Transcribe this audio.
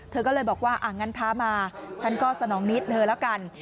เธอก็เลยบอกว่างั้นท้ามาฉันก็สนองนิดเธอแล้วกัน